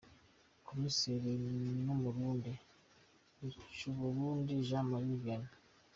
Komiseri ni Umurundi Hicuburundi Jean Marie Vianney.